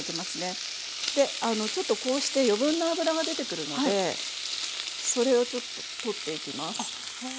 ちょっとこうして余分な脂が出てくるのでそれを取っていきます。